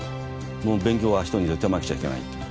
もう勉強は人に絶対負けちゃいけないって言って。